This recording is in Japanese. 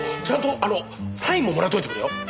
ちゃんとサインももらっといてくれよ。